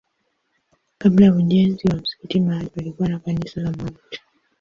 Kabla ya ujenzi wa msikiti mahali palikuwa na kanisa la Mt.